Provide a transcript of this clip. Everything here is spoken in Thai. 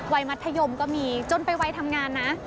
มัธยมก็มีจนไปวัยทำงานนะ